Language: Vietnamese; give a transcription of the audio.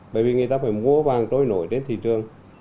bởi vì người ta phải mua vàng trôi nổi trên thị trường